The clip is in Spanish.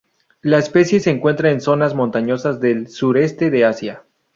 La especie se encuentra en zonas montañosas del sureste de Asia.